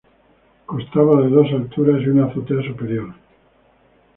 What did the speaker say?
Constaba de dos alturas y una azotea superior.